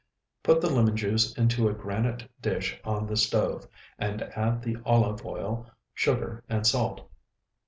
Put the lemon juice into a granite dish on the stove, and add the olive oil, sugar, and salt.